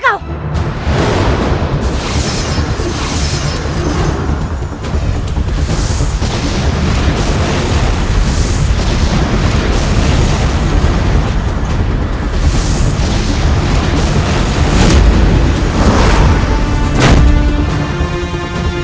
aku akan membuatmu mati